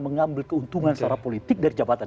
mengambil keuntungan secara politik dari jabatan